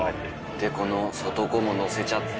でこの外子ものせちゃって。